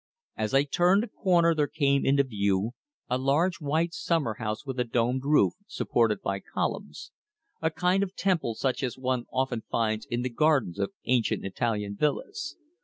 As I turned a corner there came into view a large white summer house with a domed roof, supported by columns a kind of temple such as one often finds in the gardens of ancient Italian villas.